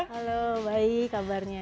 halo baik kabarnya